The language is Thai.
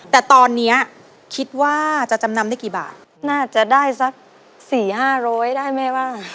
แต่ตอนเนี้ยคิดว่าจะจำนำได้กี่บาทน่าจะได้สักสี่ห้าร้อยได้ไหมว่า